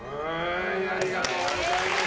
ありがとうございます。